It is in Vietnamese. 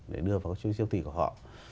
để đưa vào các chuỗi siêu thị của họ